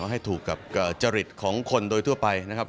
ให้ถูกกับจริตของคนโดยทั่วไปนะครับ